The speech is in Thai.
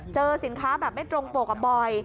เจอสินค้าแบบไม่ตรงปกบ่อย